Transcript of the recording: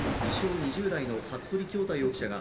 ・２０代の服部恭太容疑者が